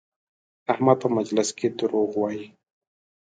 احمد په مجلس کې دروغ وایي؛